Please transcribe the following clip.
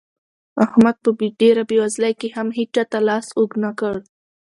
احمد په ډېره بېوزلۍ کې هم هيچا ته لاس اوږد نه کړ.